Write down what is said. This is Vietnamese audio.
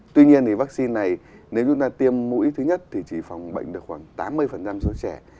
tuy nhiên thì vaccine này nếu chúng ta tiêm mũi thứ nhất thì chỉ phòng bệnh được khoảng tám mươi số trẻ